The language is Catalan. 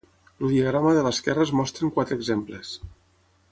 El diagrama de l'esquerra es mostren quatre exemples.